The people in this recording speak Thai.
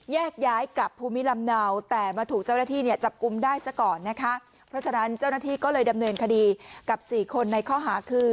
แยกย้ายกลับภูมิลำเนาแต่มาถูกเจ้าหน้าที่เนี่ยจับกุมได้ซะก่อนนะคะเพราะฉะนั้นเจ้าหน้าที่ก็เลยดำเนินคดีกับสี่คนในข้อหาคือ